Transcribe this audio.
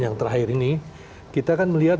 yang terakhir ini kita kan melihat